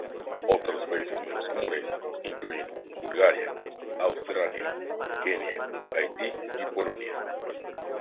Otros países menos comunes incluyen: Bulgaria, Australia, Kenia, Haití, y Polonia.